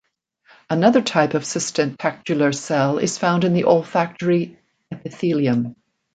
Another type of sustentacular cell is found in the olfactory epithelium.